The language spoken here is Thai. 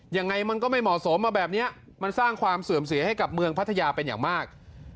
ยังไงมันก็ไม่เหมาะสมมาแบบนี้มันสร้างความเสื่อมเสียให้กับเมืองพัทยาเป็นอย่างมาก